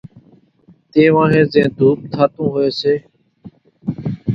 تيوانھين زين ڌوپ ٿاتون ھوئي سي